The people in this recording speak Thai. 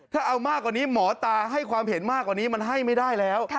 ถ้าเอามากกว่านี้หมอตาให้ความเห็นมากกว่านี้มันให้ไม่ได้แล้ว